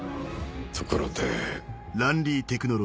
ところで。